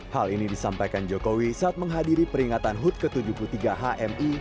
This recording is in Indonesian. hal ini disampaikan jokowi saat menghadiri peringatan hud ke tujuh puluh tiga hmi